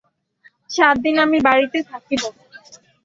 সাত দিন আমি বাড়িতে থাকিব।